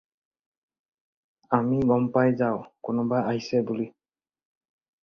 আমি গম পাই যাওঁ কোনোবা আহিছে বুলি।